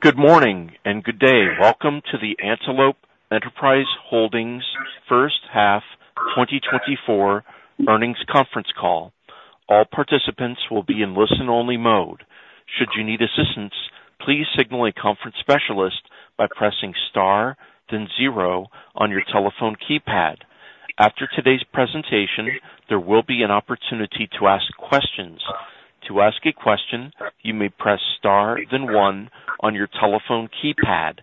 Good morning and good day! Welcome to the Antelope Enterprise Holdings H1 2024 earnings conference call. All participants will be in listen-only mode. Should you need assistance, please signal a conference specialist by pressing star then zero on your telephone keypad. After today's presentation, there will be an opportunity to ask questions. To ask a question, you may press star then one on your telephone keypad.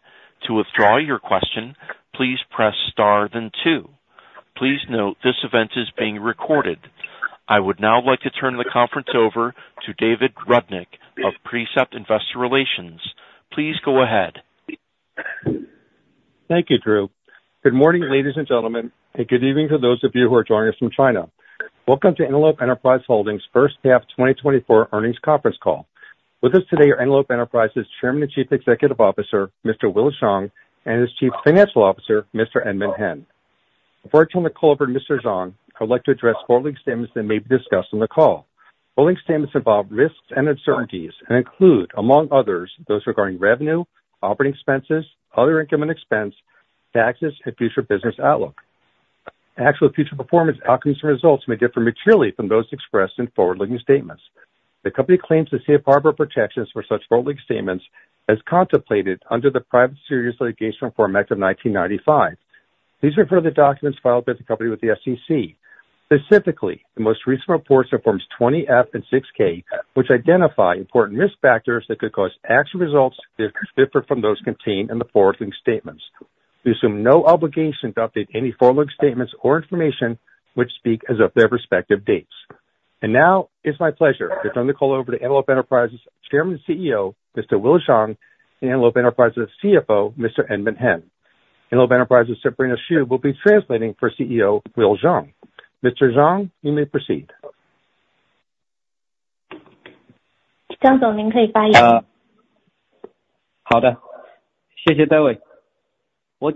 To withdraw your question, please press star then two. Please note, this event is being recorded. I would now like to turn the conference over to David Rudnick of Precept Investor Relations. Please go ahead. Thank you, Drew. Good morning, ladies and gentlemen, and good evening to those of you who are joining us from China. Welcome to Antelope Enterprise Holdings H1 2024 earnings conference call. With us today are Antelope Enterprise Chairman and Chief Executive Officer, Mr. Will Zhang, and his Chief Financial Officer, Mr. Edmund Hen. Before I turn the call over to Mr. Zhang, I would like to address forward-looking statements that may be discussed on the call. Forward-looking statements involve risks and uncertainties, and include, among others, those regarding revenue, operating expenses, other income and expense, taxes, and future business outlook. Actual future performance, outcomes, and results may differ materially from those expressed in forward-looking statements. The company claims the Safe Harbor protections for such forward-looking statements as contemplated under the Private Securities Litigation Reform Act of 1995. These refer to the documents filed by the company with the SEC. Specifically, the most recent reports are Form 20-F and 6-K, which identify important risk factors that could cause actual results to differ from those contained in the forward-looking statements. We assume no obligation to update any forward-looking statements or information which speak as of their respective dates. And now, it's my pleasure to turn the call over to Antelope Enterprise Chairman and CEO, Mr. Will Zhang, and Antelope Enterprise CFO, Mr. Edmund Hen. Antelope Enterprise, Sabrina Xu, will be translating for CEO Will Zhang. Mr. Zhang, you may proceed. All right. Thank you, David. On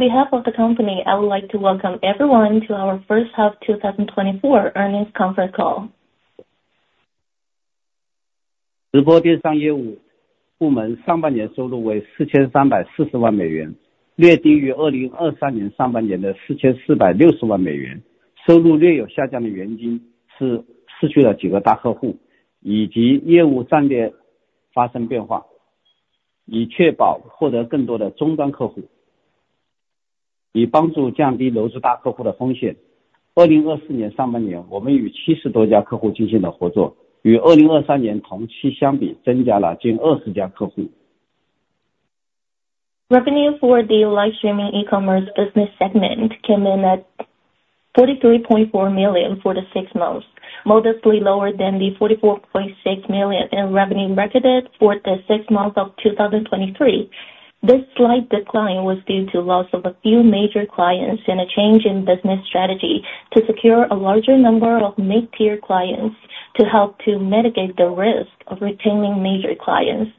behalf of the company, I would like to welcome everyone to our H1 2024 earnings conference call. Revenue for the livestreaming e-commerce business segment came in at $43.4 million for the six months, modestly lower than the $44.6 million in revenue recorded for the six months of 2023. This slight decline was due to loss of a few major clients and a change in business strategy to secure a larger number of mid-tier clients to help to mitigate the risk of retaining major clients.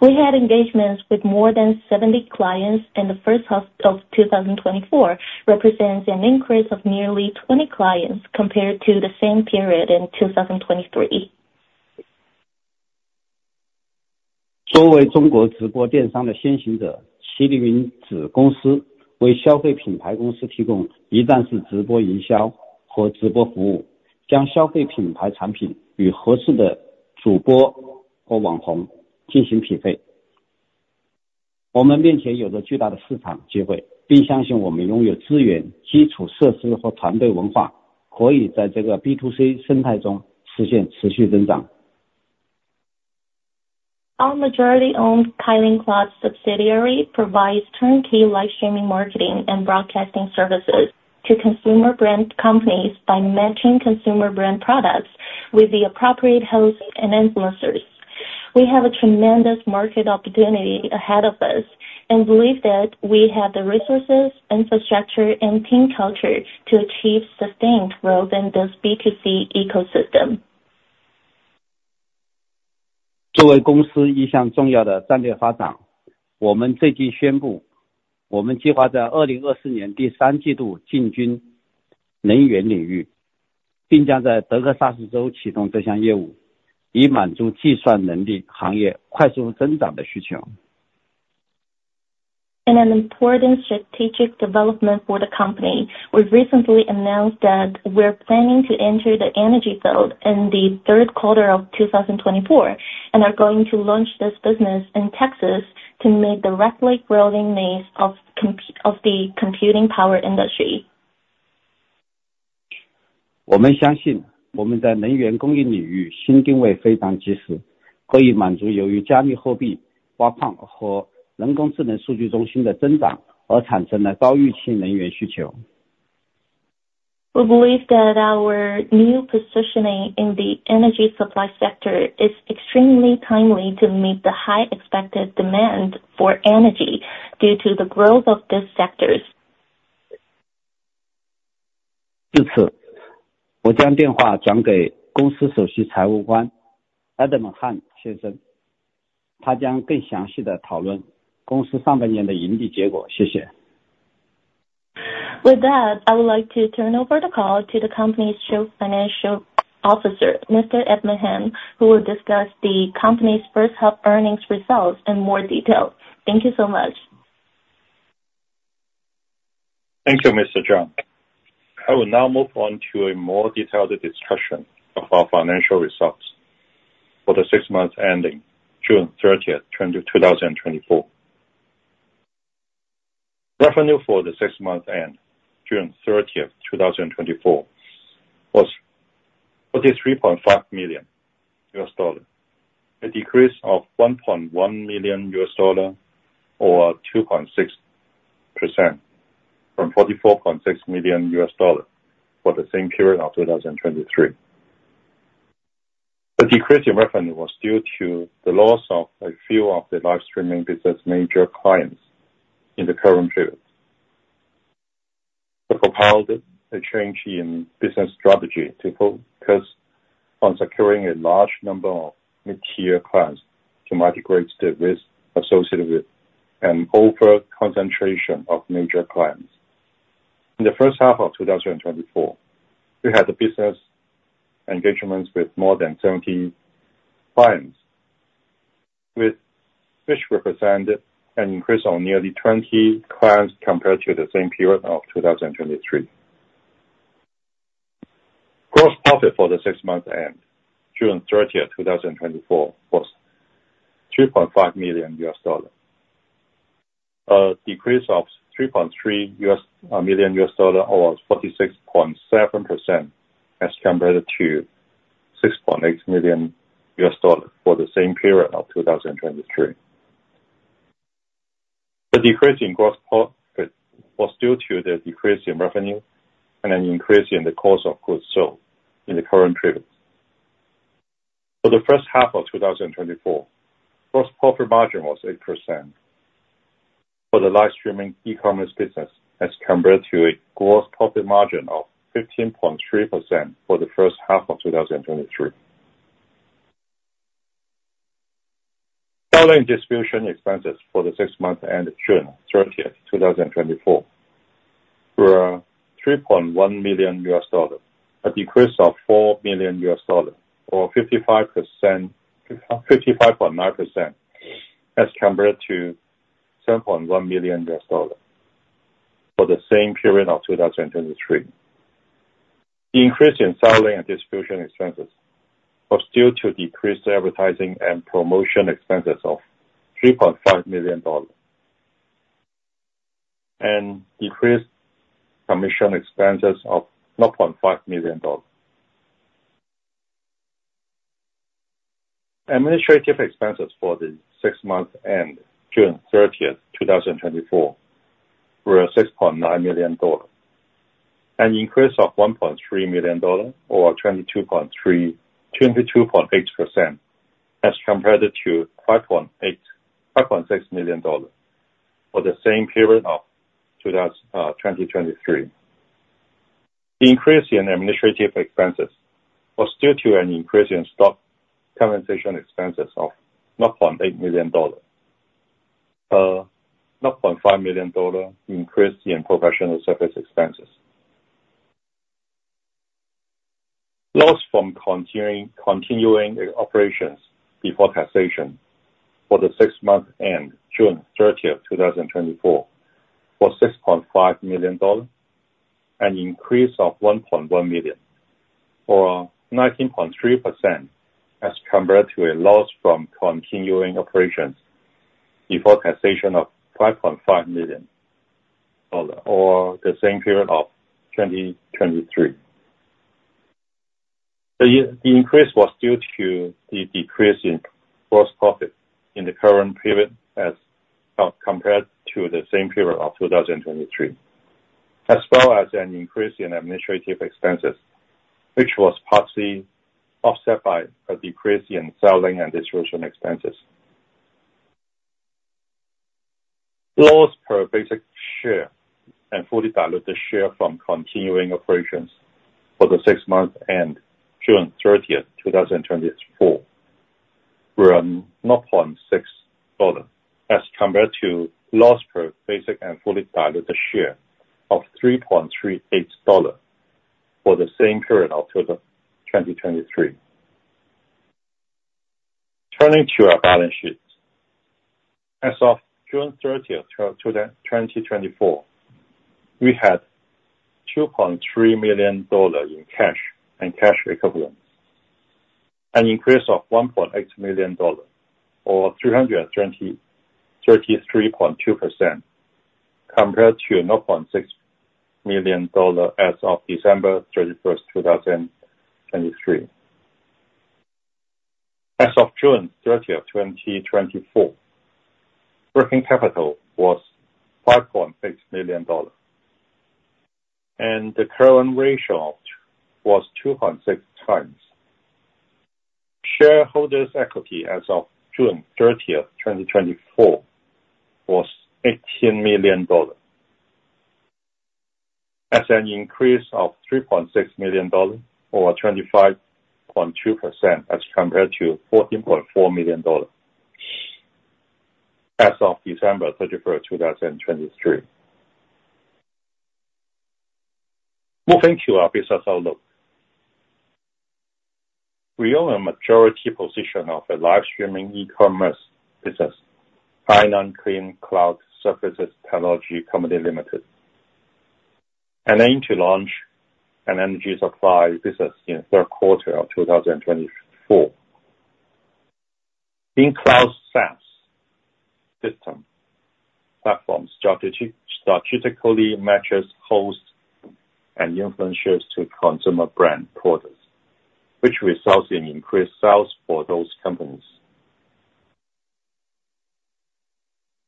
We had engagements with more than 70 clients in the H1 of 2024, represents an increase of nearly 20 clients compared to the same period in 2023. Our majority-owned Kylin Cloud subsidiary provides turnkey livestreaming, marketing, and broadcasting services to consumer brand companies by matching consumer brand products with the appropriate hosts and influencers. We have a tremendous market opportunity ahead of us and believe that we have the resources, infrastructure, and team culture to achieve sustained growth in this B2C ecosystem. In an important strategic development for the company, we've recently announced that we're planning to enter the energy field in the Q3 of 2024, and are going to launch this business in Texas to meet the rapidly growing needs of of the computing power industry. We believe that our new positioning in the energy supply sector is extremely timely to meet the high expected demand for energy due to the growth of these sectors. With that, I would like to turn over the call to the company's Chief Financial Officer, Mr. Edmund Hen, who will discuss the company's H1 earnings results in more detail. Thank you so much. Thank you, Mr. Zhang. I will now move on to a more detailed discussion of our financial results for the six months ending June 30th, 2024. Revenue for the six months ended June 30th, 2024, was $43.5 million, a decrease of $1.1 million or 2.6% from $44.6 million for the same period of 2023. The decrease in revenue was due to the loss of a few of the livestreaming business major clients in the current period. This compelled a change in business strategy to focus on securing a large number of mid-tier clients to mitigate the risk associated with an over-concentration of major clients. In the H1 of 2024, we had business engagements with more than 70 clients, which represented an increase of nearly 20 clients compared to the same period of 2023. Gross profit for the six months ended June 30th, 2024, was $3.5 million. Decrease of $3.3 million, or 46.7% as compared to $6.8 million for the same period of 2023. The decrease in gross profit was due to the decrease in revenue and an increase in the cost of goods sold in the current period. For the H1 of 2023, gross profit margin was 8% for the livestreaming e-commerce business, as compared to a gross profit margin of 15.3% for the H1 of 2023. Selling and distribution expenses for the six months ended June 30th, 2024, were $3.1 million. A decrease of $4 million, or 55%, 55.9% as compared to $7.1 million for the same period of 2023. The increase in selling and distribution expenses was due to decreased advertising and promotion expenses of $3.5 million and decreased commission expenses of $0.5 million. Administrative expenses for the six months ended June 30th, 2024, were $6.9 million. An increase of $1.3 million, or 22.3%-22.8%, as compared to $5.6 million for the same period of 2023. The increase in administrative expenses was due to an increase in stock compensation expenses of $0.8 million. $0.5 million increase in professional service expenses. Loss from continuing operations before taxation for the six months ended June 30th, 2024, was $6.5 million, an increase of $1.1 million, or 19.3%, as compared to a loss from continuing operations before taxation of $5.5 million for the same period of 2023. The increase was due to the decrease in gross profit in the current period as compared to the same period of 2023, as well as an increase in administrative expenses, which was partly offset by a decrease in selling and distribution expenses. Loss per basic share and fully diluted share from continuing operations for the six months ended June 30th, 2024, were $0.6, as compared to loss per basic and fully diluted share of $3.38 for the same period of 2023. Turning to our balance sheet. As of June 30th, 2024, we had $2.3 million in cash and cash equivalents. An increase of $1.8 million, or 323.2% compared to $0.6 million as of December 31st, 2023. As of June 30th, 2024, working capital was $5.6 million, and the current ratio was 2.6 times. Shareholders' equity as of June 30th, 2024, was $18 million, an increase of $3.6 million, or 25.2% as compared to $14.4 million as of December 31st, 2023. Moving to our business outlook. We own a majority position of a livestreaming e-commerce business, Hainan Kylin Cloud Services Technology Co., Ltd., and aim to launch an energy supply business in the Q3 of 2024. Kylin cloud SaaS system, platforms strategic, strategically matches hosts and influencers to consumer brand products, which results in increased sales for those companies.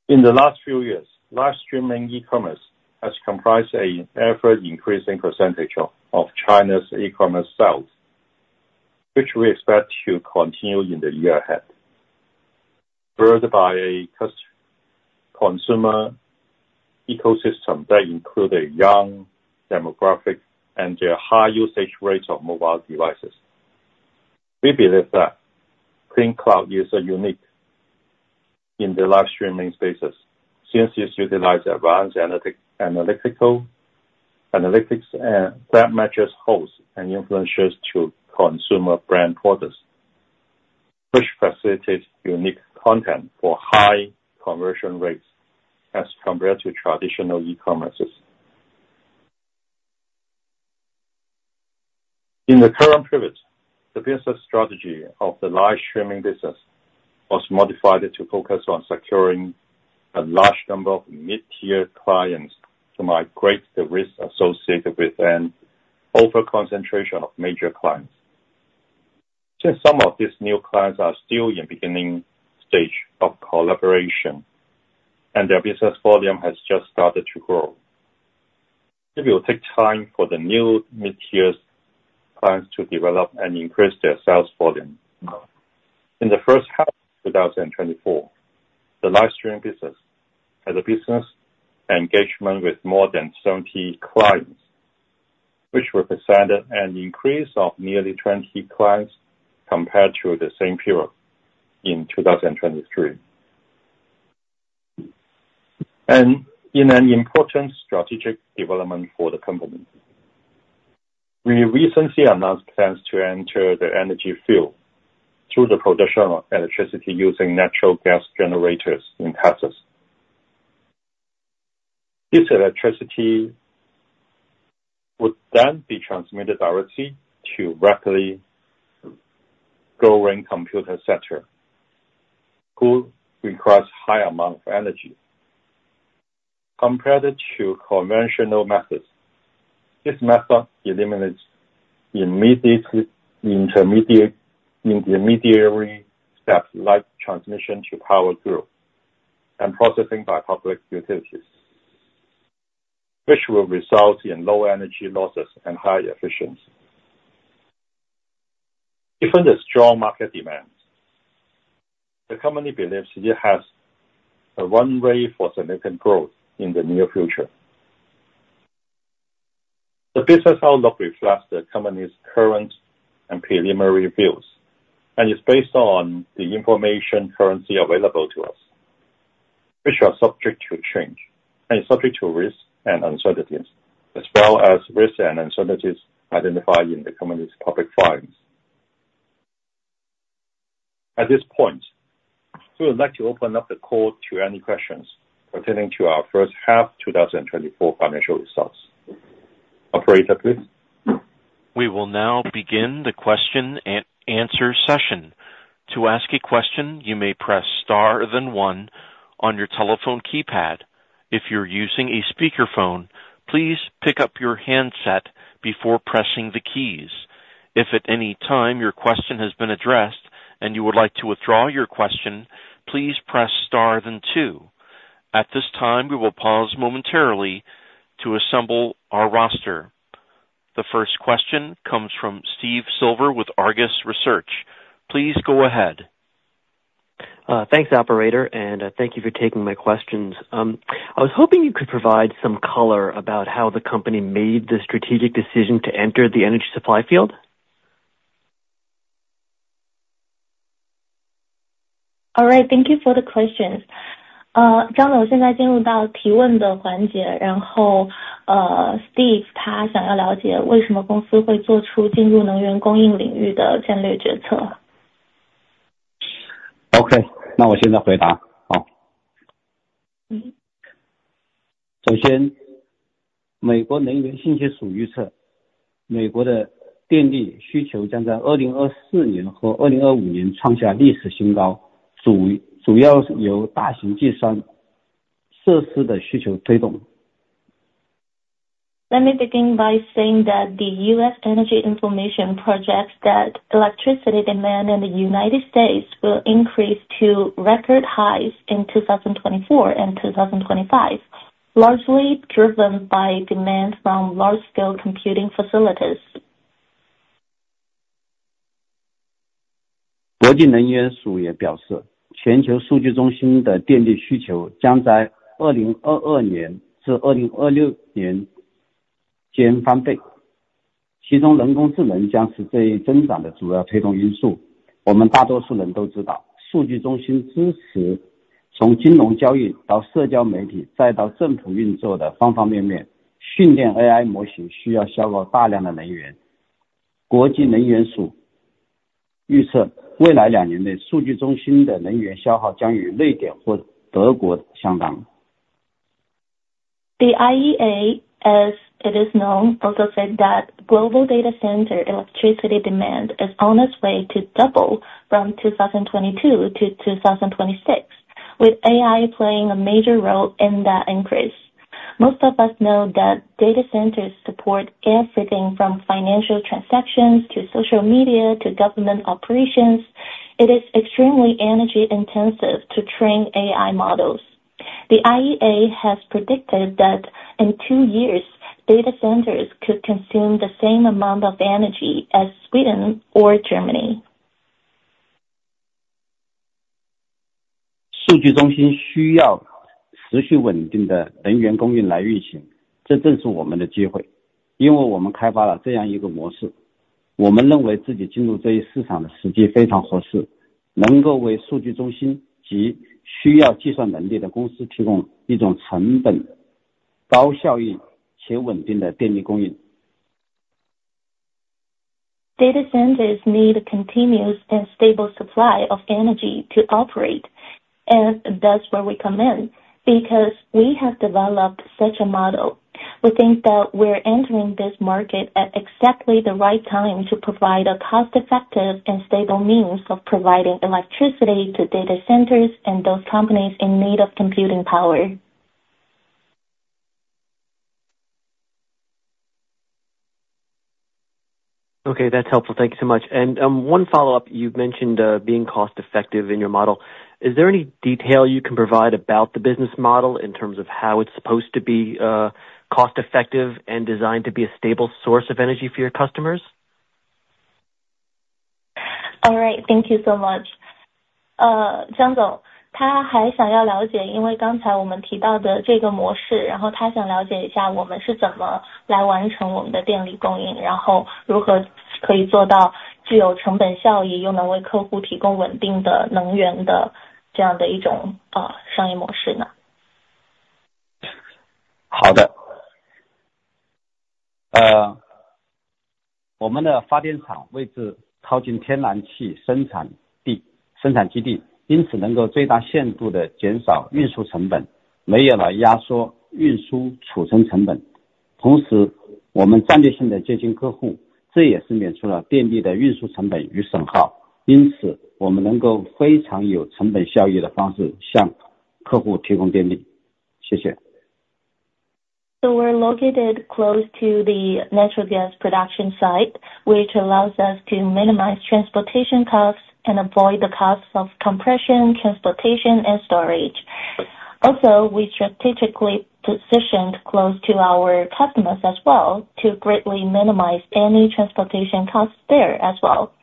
In the last few years, livestreaming e-commerce has comprised an ever-increasing percentage of China's e-commerce sales, which we expect to continue in the year ahead, furthered by a consumer ecosystem that include a young demographic and their high usage rates of mobile devices. We believe that Kylin Cloud is unique in the livestreaming space since it utilizes advanced analytics that matches hosts and influencers to consumer brand products, which facilitates unique content for high conversion rates as compared to traditional e-commerce system. In the current period, the business strategy of the livestreaming business was modified to focus on securing a large number of mid-tier clients to mitigate the risk associated with an over-concentration of major clients. Since some of these new clients are still in beginning stage of collaboration, and their business volume has just started to grow, it will take time for the new mid-tiers clients to develop and increase their sales volume. In the H1 of 2024, the livestreaming business had a business engagement with more than seventy clients, which represented an increase of nearly 20 clients compared to the same period in 2023. In an important strategic development for the company, we recently announced plans to enter the energy field through the production of electricity using natural gas generators in Texas. This electricity would then be transmitted directly to rapidly growing computer center, who requires high amount of energy. Compared to conventional methods, this method eliminates immediate intermediate, intermediary steps like transmission to power grid and processing by public utilities, which will result in low energy losses and high efficiency. Given the strong market demand, the company believes it has a runway for significant growth in the near future. The business outlook reflects the company's current and preliminary views, and is based on the information currently available to us, which are subject to change and is subject to risks and uncertainties as well as risks and uncertainties identified in the company's public filings. At this point, we would like to open up the call to any questions pertaining to our H1, 2024 financial results. Operator, please. We will now begin the question and answer session. To ask a question, you may press star then one on your telephone keypad. If you're using a speakerphone, please pick up your handset before pressing the keys. If at any time your question has been addressed and you would like to withdraw your question, please press star then two. At this time, we will pause momentarily to assemble our roster. The first question comes from Steve Silver with Argus Research. Please go ahead. Thanks, operator, and thank you for taking my questions. I was hoping you could provide some color about how the company made the strategic decision to enter the energy supply field? All right, thank you for the questions. Let me begin by saying that the U.S. Energy Information projects that electricity demand in the United States will increase to record highs in 2024 and 2025, largely driven by demand from large-scale computing facilities. The IEA, as it is known, also said that global data center electricity demand is on its way to double from 2022 to 2026, with AI playing a major role in that increase. Most of us know that data centers support everything from financial transactions, to social media, to government operations. It is extremely energy intensive to train AI models. The IEA has predicted that in two years, data centers could consume the same amount of energy as Sweden or Germany. Data centers need a continuous and stable supply of energy to operate, and that's where we come in. Because we have developed such a model, we think that we're entering this market at exactly the right time to provide a cost-effective and stable means of providing electricity to data centers and those companies in need of computing power. Okay, that's helpful. Thank you so much. And one follow-up. You've mentioned being cost-effective in your model. Is there any detail you can provide about the business model in terms of how it's supposed to be cost-effective and designed to be a stable source of energy for your customers? All right, thank you so much. So we're located close to the natural gas production site, which allows us to minimize transportation costs and avoid the costs of compression, transportation and storage. Also, we strategically positioned close to our customers as well to greatly minimize any transportation costs there as well.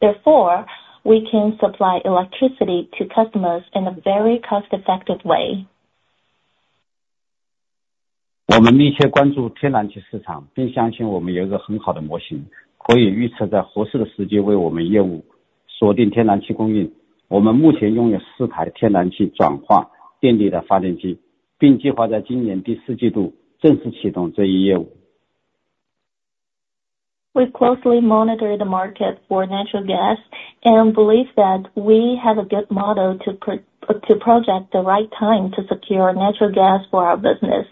Therefore, we can supply electricity to customers in a very cost-effective way. We closely monitor the market for natural gas and believe that we have a good model to project the right time to secure natural gas for our business.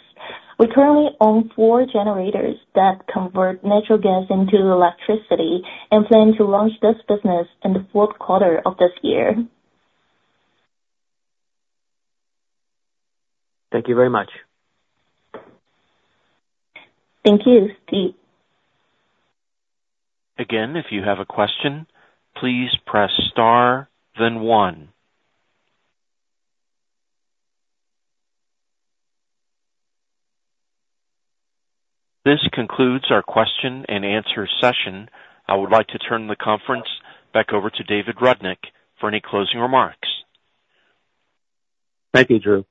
We currently own four generators that convert natural gas into electricity, and plan to launch this business in the Q4 of this year. Thank you very much. Thank you, Steve. Again, if you have a question, please press star, then one. This concludes our question and answer session. I would like to turn the conference back over to David Rudnick for any closing remarks. Thank you, Drew.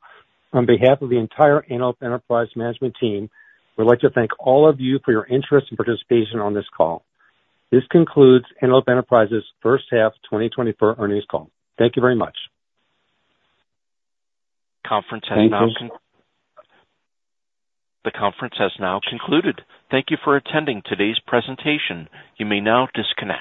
On behalf of the entire Antelope Enterprise management team, we'd like to thank all of you for your interest and participation on this call. This concludes Antelope Enterprise H1 2024 earnings call. Thank you very much. Conference has now- Thank you. The conference has now concluded. Thank you for attending today's presentation. You may now disconnect.